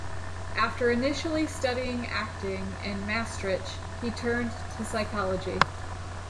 After initially studying acting in Maastricht, he turned to psychology.